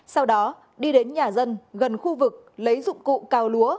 sau đó đi đến nhà dân gần khu vực lấy dụng cụ cao lúa